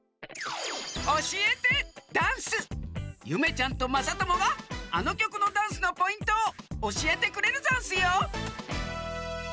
ゆめちゃんとまさともがあのきょくのダンスのポイントをおしえてくれるざんすよ！